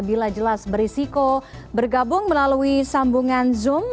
bila jelas berisiko bergabung melalui sambungan zoom